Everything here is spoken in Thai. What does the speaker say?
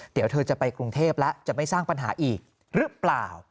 เดี๋ยวเธอจะไปกรุงเทพแล้วจะไม่สร้างปัญหาอีกหรือเปล่า